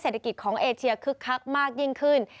เศรษฐกิจของเอเชียคึกคักมากยิ่งขึ้น